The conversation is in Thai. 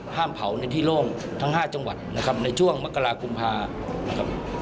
ห้ามเผาในที่โล่งทั้ง๕จังหวัดในช่วงมกราคุมภาคม